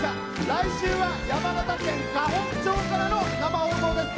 来週は山形県河北町からの生放送です！